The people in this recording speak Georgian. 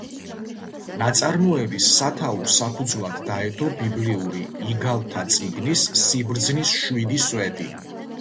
ნაწარმოების სათაურს საფუძვლად დაედო ბიბლიური „იგავთა წიგნის“ სიბრძნის შვიდი სვეტი.